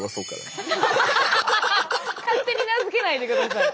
勝手に名付けないでください。